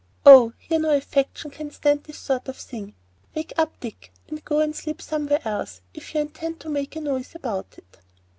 "Oh, here, no affection can stand this sort of thing. Wake up, Dick, and go and sleep somewhere else, if you intend to make a noise about it."